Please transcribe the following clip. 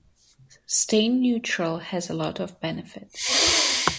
Staying neutral has a lot of benefits.